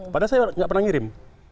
padahal saya nggak pernah ngirim